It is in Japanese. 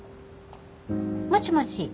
もしもし？